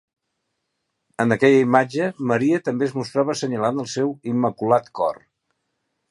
En aquella imatge, Maria també es mostrava assenyalant el seu "immaculat cor".